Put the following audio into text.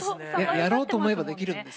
やろうと思えばできるんです。